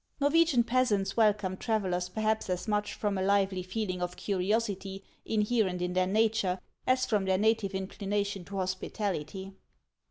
Norwegian peasants welcome travellers perhaps as much from a lively feeling of curiosity in herent in their nature as from their native inclination to hospitality.